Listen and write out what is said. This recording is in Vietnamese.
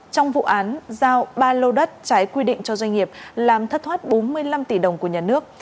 trong vụ án giao ba lô đất trái quy định cho doanh nghiệp làm thất thoát bốn mươi năm tỷ đồng của nhà nước